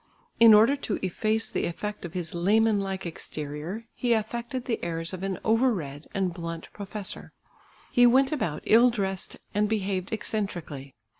In order to efface the effect of his laymen like exterior, he affected the airs of an over read and blunt professor. He went about ill dressed and behaved eccentrically.